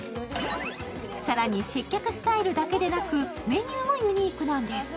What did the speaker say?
更に接客スタイルだけではなく、メニューもユニークなんです。